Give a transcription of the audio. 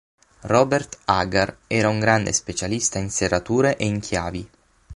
Robert Agar era un grande specialista in serrature e in chiavi.